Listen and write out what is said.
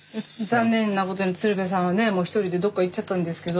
残念なことに鶴瓶さんはねもう１人でどっか行っちゃったんですけど。